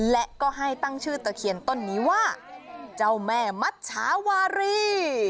และก็ให้ตั้งชื่อตะเคียนต้นนี้ว่าเจ้าแม่มัชชาวารี